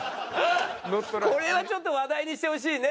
これはちょっと話題にしてほしいね。